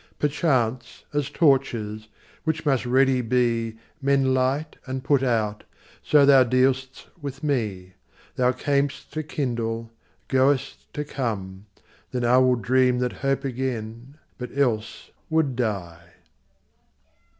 Perchance, as torches, which must ready be, Men light and put out, so thou dealst with me. Thou cam'st to kindle, goest to come: then IWill dream that hope again, but else would die.